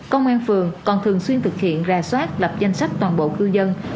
công an phường còn thường xuyên thực hiện ra soát lập danh sách toàn bộ cư dân